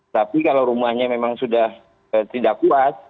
tapi kalau rumahnya memang sudah tidak kuat